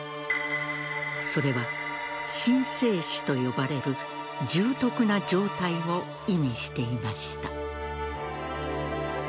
それは心静止と呼ばれる重篤な状態を意味していました。